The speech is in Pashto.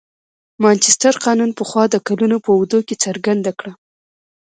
مانچستر قانون پخوا د کلونو په اوږدو کې څرګنده کړه.